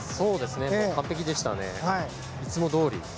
完璧でしたね。いつもどおり。